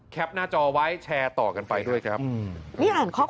แคปหน้าจอไว้แชร์ต่อกันไปด้วยครับ